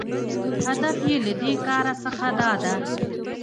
هدف یې له دې کاره څخه داده